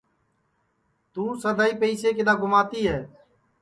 توں سدائیں پئسے کِدؔا گُماتی ہے